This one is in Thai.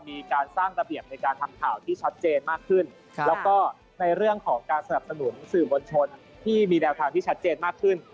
มีการสร้างระเบียบในการทำข่าวที่ชัดเจนมากขึ้นแล้วก็ในเรื่องของการสนับสนุนสื่อมวลชนที่มีแนวทางที่ชัดเจนมากขึ้น